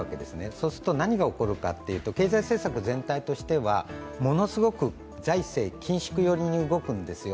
そうすると何が起こるかというと、経済政策全体としてはものすごく財政緊縮寄りに動くんですよ。